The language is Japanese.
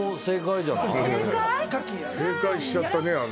正解しちゃったね